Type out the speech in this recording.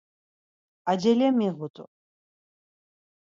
Acele miğut̆u.